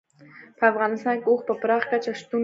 په افغانستان کې اوښ په پراخه کچه شتون لري.